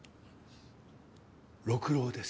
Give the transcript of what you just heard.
六郎です。